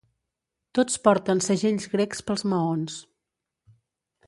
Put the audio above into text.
Tots porten segells grecs pels maons.